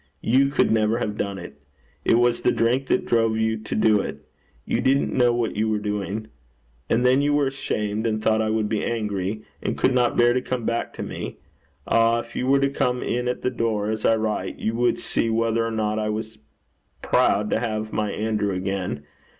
You could never have done it. It was the drink that drove you to do it. You didn't know what you were doing. And then you were ashamed, and thought I would be angry, and could not bear to come back to me. Ah, if you were to come in at the door, as I write, you would see whether or not I was proud to have my Andrew again.